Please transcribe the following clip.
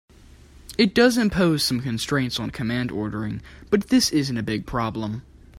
It does impose some constraints on command ordering, but this isn't a big problem.